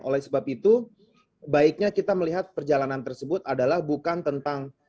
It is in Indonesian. oleh sebab itu baiknya kita melihat perjalanan tersebut adalah bukan tentang